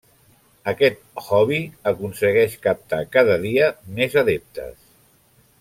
Aquest hobby aconsegueix captar cada dia més adeptes.